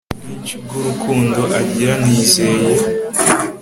ubwinshi bw'urukundo agira, nizeye